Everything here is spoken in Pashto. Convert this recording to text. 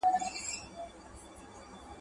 د انلاين کورس تمرينونه بشپړ کړه.